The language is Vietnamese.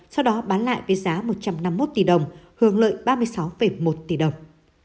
sau đó bán lại với giá một trăm năm mươi một tỷ đồng hưởng lợi ba mươi sáu một tỷ đồng